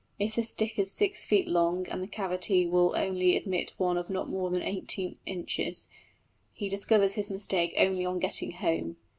If the stick is six feet long and the cavity will only admit one of not more than eighteen inches, he discovers his mistake only on getting home.